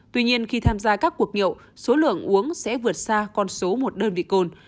tuy nhiên khi tham gia các cuộc nhậu số lượng uống sẽ vượt xa con số một đơn vị cồn